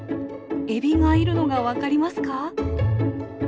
エビがいるのが分かりますか？